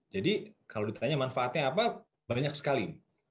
jadi kalau ditanya manfaatnya apa banyak sekali